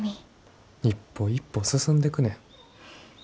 一歩一歩進んでくねん。